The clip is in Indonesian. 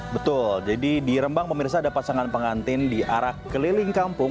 betul jadi di rembang pemirsa ada pasangan pengantin diarak keliling kampung